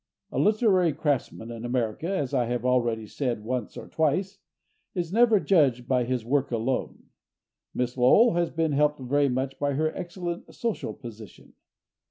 A literary craftsman in America, as I have already said once or twice, is never judged by his work alone. Miss Lowell has been helped very much by her excellent social position.